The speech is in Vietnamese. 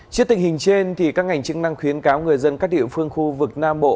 trước tình hình trên các ngành chức năng khuyến cáo người dân các địa phương khu vực nam bộ